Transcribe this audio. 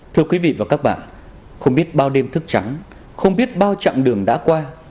thưa quý vị và các bạn không biết bao đêm thức trắng không biết bao chặng đường đã qua